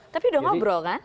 tapi sudah ngobrol kan